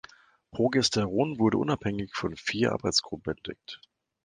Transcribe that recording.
Progesteron wurde unabhängig von vier Arbeitsgruppen entdeckt.